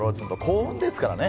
幸運ですからね。